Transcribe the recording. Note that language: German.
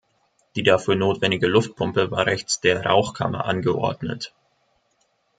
Die dafür notwendige Luftpumpe war rechts der Rauchkammer angeordnet.